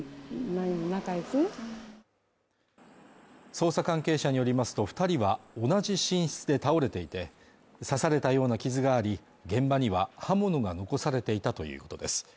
捜査関係者によりますと二人は同じ寝室で倒れていて刺されたような傷があり現場には刃物が残されていたということです